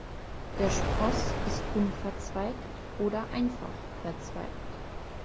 Der Spross ist unverzweigt oder einfach verzweigt.